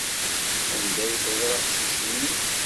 Anda ay teẓra aqcic-nni?